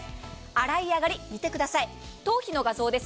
洗い上がり見てください、頭皮の画像です。